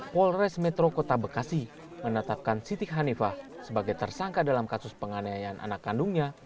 polres metro kota bekasi menetapkan siti hanifah sebagai tersangka dalam kasus penganiayaan anak kandungnya